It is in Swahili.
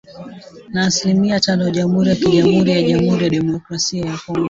na asilimia tano Jamhuri ya KiJamuhuri ya Jamuhuri ya Demokrasia ya Kongo